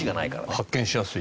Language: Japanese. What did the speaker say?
発見しやすい。